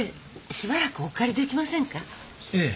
ええ。